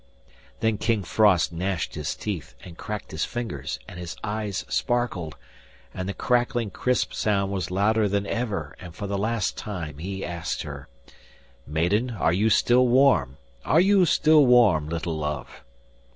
Then King Frost gnashed his teeth, and cracked his fingers, and his eyes sparkled, and the crackling, crisp sound was louder than ever, and for the last time he asked her: 'Maiden, are you still warm? Are you still warm, little love?